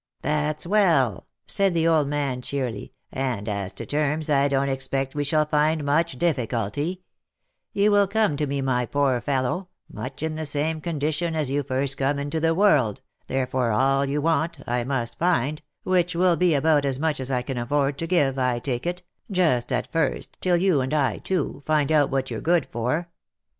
" That's well," said the old man cheerily, " and as to terms, I don't expect we shall find much difficulty ; you will come to me my poor fellow, much in the same condition as you first come into the world, 304 THE LIFE AND ADVENTURES therefore all that you want, I must find, which will be about as much as I can afford to give, I take it, just at first, till you, and I too, find out what you're good for.